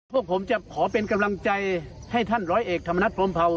พวกผมจะขอเป็นกำลังใจให้ท่านร้อยเอกธรรมนัฐพรมเผา